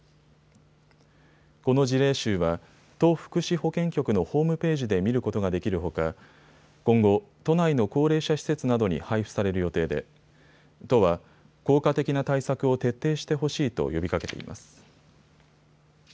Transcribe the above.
この事例集は都福祉保健局のホームページで見ることができるほか今後、都内の高齢者施設などに配布される予定で都は効果的な対策を徹底してほしいと呼びかけています。